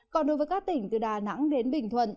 còn đối với các tỉnh từ đà nẵng đến bình thuận